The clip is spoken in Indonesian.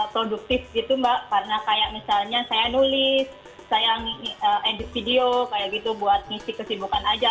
produktif gitu mbak karena kayak misalnya saya nulis saya edit video kayak gitu buat ngisi kesibukan aja